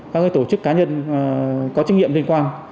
các tổ chức cá nhân có trách nhiệm liên quan